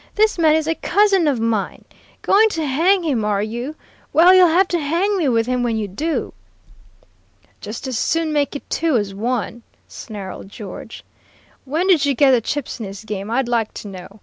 'This man is a cousin of mine. Going to hang him, are you? Well, you'll have to hang me with him when you do.' "'Just as soon make it two as one,' snarled George. 'When did you get the chips in this game, I'd like to know?